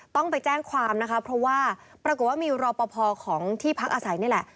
ต้องไปแจ้งความนะคะเพราะว่าปรากฏว่ามีรอปภของที่พักอาศัยนี่แหละ